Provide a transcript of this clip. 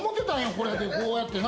これでこうやってな。